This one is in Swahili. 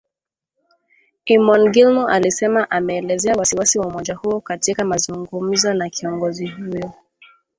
Eamon Gilmore alisema ameelezea wasi-wasi wa umoja huo katika mazungumzo na kiongozi huyo